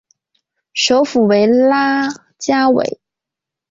首府为拉加韦。